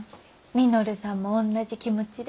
稔さんもおんなじ気持ちで。